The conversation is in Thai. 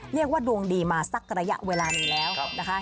เรียกว่าดวงดีมาสักระยะเวลาหนึ่งแล้วนะคะ